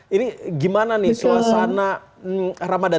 ini gimana nih suasana ramadan